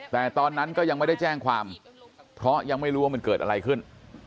แต่ตอนนั้นก็ยังไม่ได้แจ้งความเพราะยังไม่รู้ว่ามันเกิดอะไรขึ้น